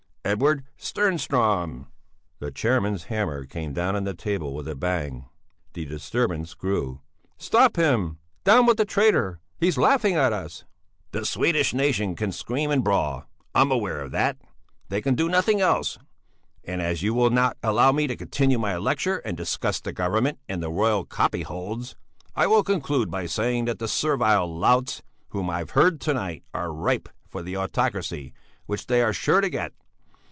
Edward Stjernström!" The chairman's hammer came down on the table with a bang. The disturbance grew. "Stop him! Down with the traitor! He's laughing at us!" "The Swedish nation can scream and brawl, I am aware of that! They can do nothing else! And as you will not allow me to continue my lecture and discuss the Government and the royal copyholds, I will conclude by saying that the servile louts whom I have heard to night are ripe for the autocracy which they are sure to get.